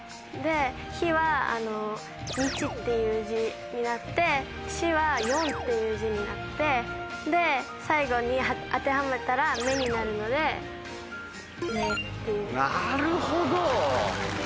「ひ」は日っていう字になって「し」は四っていう字になって最後に当てはめたら目になるので「め」っていう。